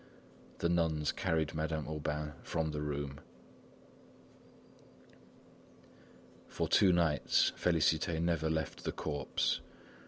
The nuns carried Madame Aubain from the room. For two nights, Félicité never left the corpse.